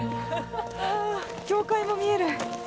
あ教会も見える。